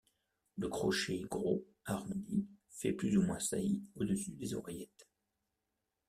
Le crochet gros, arrondi, fait plus ou moins saillie au-dessus des oreillettes.